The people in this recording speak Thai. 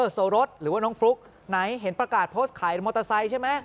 โซรสหรือว่าน้องฟลุ๊กไหนเห็นประกาศโพสต์ขายมอเตอร์ไซค์ใช่ไหม